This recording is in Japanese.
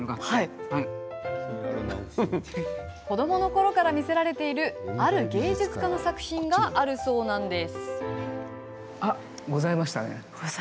子どものころから魅せられているある芸術家の作品があるそうなんです。